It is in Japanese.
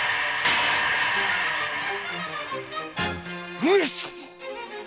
上様！